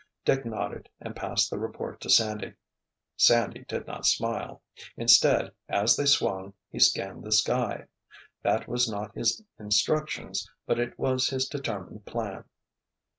Dick nodded and passed the report to Sandy. Sandy did not smile. Instead, as they swung, he scanned the sky. That was not his instructions, but it was his determined plan.